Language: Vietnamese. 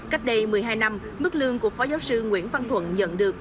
cách đây một mươi hai năm mức lương của phó giáo sư nguyễn văn thuận nhận được